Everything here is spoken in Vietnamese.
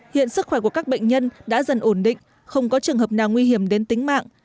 hiện sức khỏe của các bệnh nhân đã dần ổn định không có trường hợp nào nguy hiểm đến tính mạng